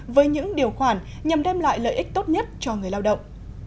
với những điều khoản nhằm đem lại lợi ích tốt nhất cho người lao động